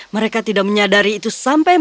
mereka tidak menyadari itu sampai